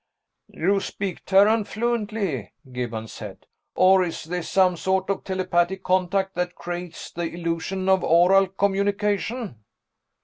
"You speak Terran fluently," Gibbons said. "Or is this some sort of telepathic contact that creates the illusion of oral communication?"